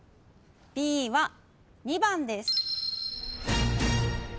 Ｂは２番です。